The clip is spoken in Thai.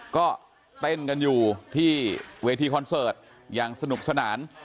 ก็เต้นกันอยู่ที่เวทีคอนเสิร์ตอย่างสนุกสนาน